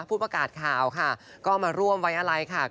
ผู้ประกาศข่าวค่ะก็มาร่วมไว้อะไรค่ะ